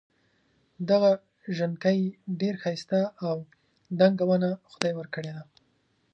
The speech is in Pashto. دغه ژڼکی ډېر ښایسته او دنګه ونه خدای ورکړي ده.